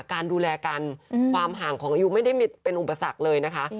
การดูแลกันความห่างของอายุไม่ได้เป็นอุปสรรคเลยนะคะ